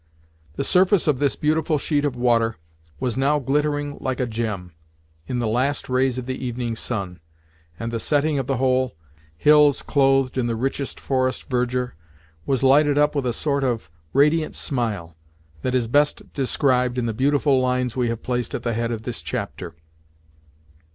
The surface of this beautiful sheet of water was now glittering like a gem, in the last rays of the evening sun, and the setting of the whole, hills clothed in the richest forest verdure, was lighted up with a sort of radiant smile, that is best described in the beautiful lines we have placed at the head of this chapter.